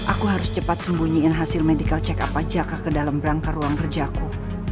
aku harus cepat sembunyiin hasil medical check up jaka ke dalam rangka ruang kerjaku